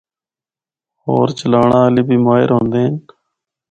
ہور چلانڑے آلے بھی ماہر ہوندے ہن۔